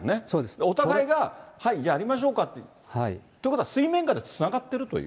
お互いが、はい、やりましょうかって。ということは、水面下でつながっているという。